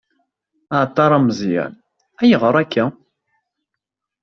Aεeṭṭar ameẓyan: Ayγer akka?